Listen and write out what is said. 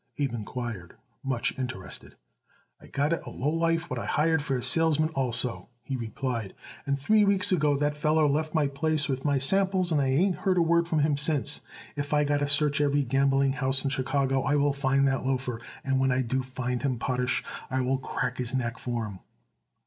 Abe inquired, much interested. "I got it a lowlife what I hired for a salesman, also," he replied, "and three weeks ago that feller left my place with my samples and I ain't heard a word from him since. If I got to search every gamblinghouse in Chicago I will find that loafer; and when I do find him, Potash, I will crack his neck for him."